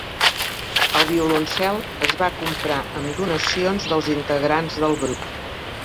El violoncel es va comprar amb donacions dels integrants del grup.